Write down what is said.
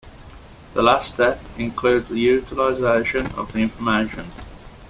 The last step includes the utilization of the information.